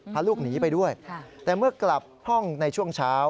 พาลูกหนีไปด้วยแต่เมื่อกลับห้องในช่วงเช้า